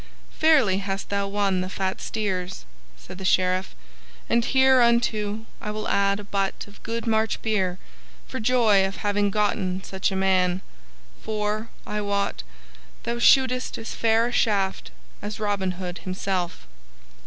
"Fairly hast thou won the fat steers," said the Sheriff, "and hereunto I will add a butt of good March beer, for joy of having gotten such a man; for, I wot, thou shootest as fair a shaft as Robin Hood himself."